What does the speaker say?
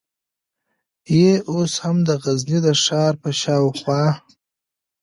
یې اوس هم د غزني د ښار په شاوخوا